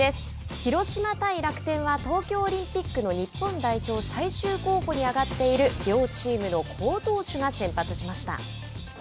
広島対楽天は東京オリンピックの日本代表最終候補に挙がっている両チームの好投手が先発しました。